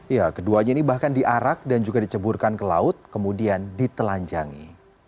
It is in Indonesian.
ya keduanya ini bahkan diarak dan juga diceburkan ke laut kemudian ditelanjangi